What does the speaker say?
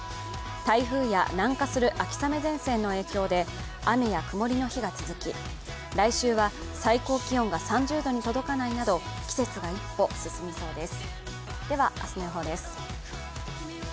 台風や南下する秋雨前線の影響で雨や曇りの日が続き、来週は最高気温が３０度に届かないなど季節が一歩進みそうです。